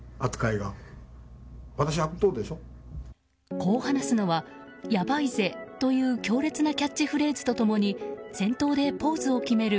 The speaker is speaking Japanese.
こう話すのは、ヤバいぜという強烈なキャッチフレーズと共に先頭でポーズを決める